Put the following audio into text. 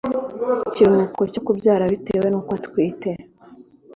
ikiruhuko cyo kubyara bitewe n uko atwite